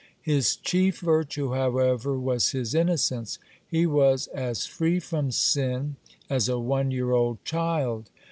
(52) His chief virtue, however, was his innocence. He was as free from sin as "a one year old child."